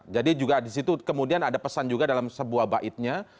jadi juga disitu kemudian ada pesan juga dalam sebuah baitnya